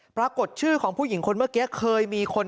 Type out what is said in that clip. ปรากฏชื่อของผู้หญิงคนเมื่อกี้เคยมีคน